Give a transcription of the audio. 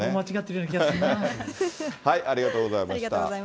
なんか、ありがとうございました。